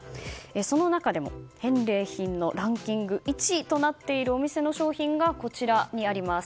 その中でも返礼品のランキング１位となっているお店の商品がこちらにあります。